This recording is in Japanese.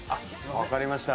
分かりました